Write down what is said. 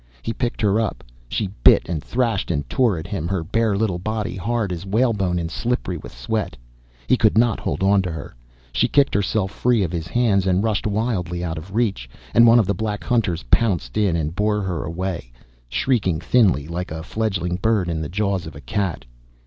He picked her up. She bit and thrashed and tore at him, her bare little body hard as whalebone and slippery with sweat. He could not hold onto her. She kicked herself free of his hands and rushed wildly out of reach, and one of the black hunters pounced in and bore her away, shrieking thinly like a fledgling bird in the jaws of a cat.